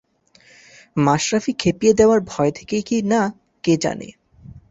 মাশরাফি খেপিয়ে দেওয়ার ভয় থেকেই কি না, কে জানে